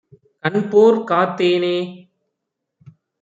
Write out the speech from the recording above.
கண்போற் காத்தேனே...